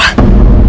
masuk ke dalam